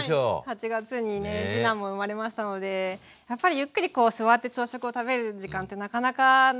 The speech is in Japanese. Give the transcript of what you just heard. ８月にね次男も生まれましたのでやっぱりゆっくりこう座って朝食を食べる時間ってなかなかなくて。